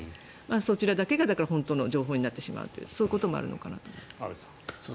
そちらだけが本当の情報になってしまうというそういうこともあるのかなと思います。